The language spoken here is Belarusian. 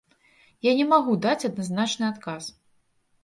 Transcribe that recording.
Я не магу даць адназначны адказ.